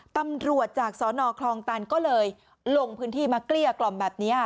ตำรวจจากสนคลองตันก็เลยลงพื้นที่มาเกลี้ยกล่อมแบบนี้